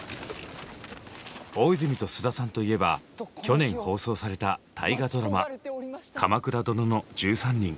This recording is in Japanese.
大泉と菅田さんといえば去年放送された大河ドラマ「鎌倉殿の１３人」。